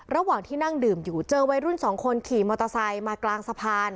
ระหว่างที่นั่งดื่มอยู่เจอวัยรุ่นสองคนขี่มอเตอร์ไซค์มากลางสะพาน